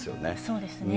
そうですね。